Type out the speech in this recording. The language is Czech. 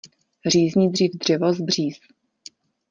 Řízni dřív dřevo z bříz.